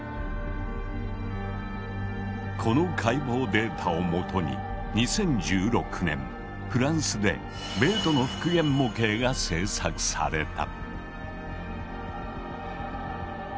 この解剖データをもとに２０１６年フランスでベートの復元模型が制作された。